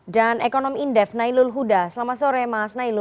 dan ekonomi indef nailul huda selamat sore mas nailul